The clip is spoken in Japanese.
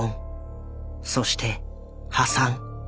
そして破産。